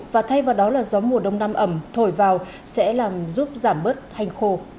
và thay vào đó là gió mùa đông nam ẩm thổi vào sẽ làm giúp giảm bớt hành khô